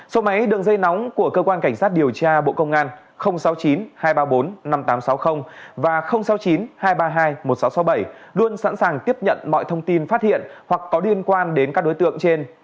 số máy đường dây nóng của cơ quan cảnh sát điều tra bộ công an sáu mươi chín hai trăm ba mươi bốn năm nghìn tám trăm sáu mươi và sáu mươi chín hai trăm ba mươi hai một nghìn sáu trăm sáu mươi bảy luôn sẵn sàng tiếp nhận mọi thông tin phát hiện hoặc có liên quan đến các đối tượng trên